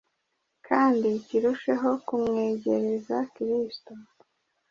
kandi kirusheho kumwegereza Kristo.